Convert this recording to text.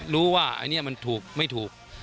รู้ว่าอันนี้มันถูกไม่ถูก